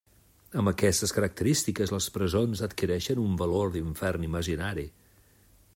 Amb aquestes característiques, les presons adquireixen un valor d'infern imaginari.